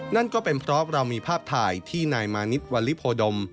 นั่นก็เป็นเพราะเรามีภาพถ่ายที่นายมานิดวัลลิโพดม